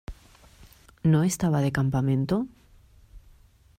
¿ No estaba de campamento?